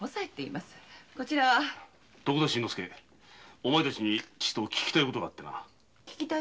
お前たちに聞きたい事があってな。